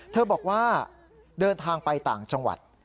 เธอบอกว่าเดินทางไปต่างจังหวัด